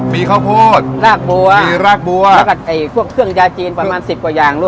มีข้าวโพดรากบัวมีรากบัวแล้วก็พวกเครื่องยาจีนประมาณสิบกว่าอย่างลูก